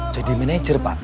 jadi manajer pak